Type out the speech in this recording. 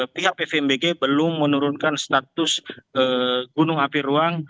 pihak pvmbg belum menurunkan status gunung api ruang